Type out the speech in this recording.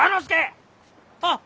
・あっ！